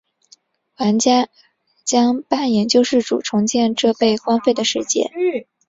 玩家将扮演救世主重建这被荒废的世界。